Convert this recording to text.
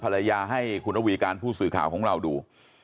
ภรรยาให้คุณระวีการผู้สื่อข่าวของเราดู